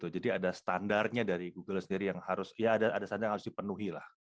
jadi ada standarnya dari google sendiri yang harus dipenuhi